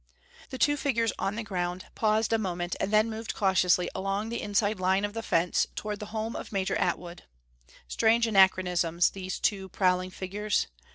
The two figures on the ground paused a moment and then moved cautiously along the inside line of the fence toward the home of Major Atwood. Strange anachronisms, these two prowling figures!